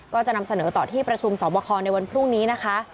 ก็จะนำเสนอต่อที่ประชุมสอบคอในวันพรุ่งนี้นะคะ